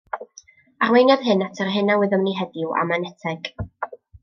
Arweiniodd hyn at yr hyn a wyddom ni heddiw am Eneteg.